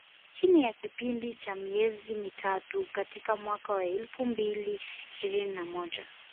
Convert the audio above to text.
Chini ya kipindi cha miezi mitatu katika mwaka wa elfu mbili ishirini na moja